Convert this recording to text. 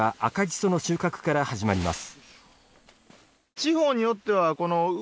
その収穫から始まります。